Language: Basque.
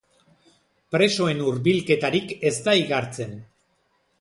Presoen hurbilketarik ez da igartzen.